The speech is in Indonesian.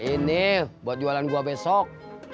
ini buat jualan buah besok